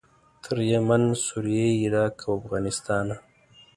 تر یمن، سوریې، عراق او افغانستانه.